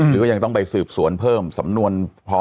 หรือว่ายังต้องไปสืบส่วนเพิ่มสำนวนพร้อม